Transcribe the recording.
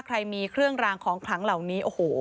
ว่ามีเครื่องรางของขลังเหล่านี้